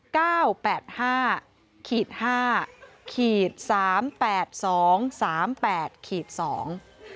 แปดห้าขีดห้าขีดสามแปดสองสามแปดขีดสอง